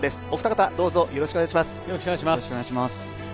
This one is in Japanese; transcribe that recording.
お二方、どうぞよろしくお願いします。